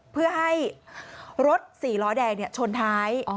เพื่อให้รถ๔ล้อแดงชนท้าย